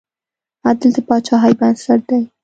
عدل د پاچاهۍ بنسټ دی.